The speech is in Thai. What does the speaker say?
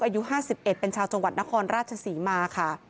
วัยชูกระโทกอายุ๕๑เป็นชาวจังหวัดนครราชศรีมาค่ะ